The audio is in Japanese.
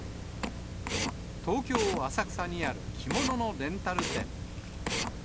東京・浅草にある着物のレンタル店。